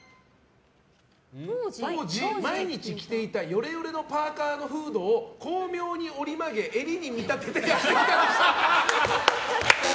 当時毎日着ていたヨレヨレのパーカのフードを巧妙に折り曲げて襟に見立ててやってきた。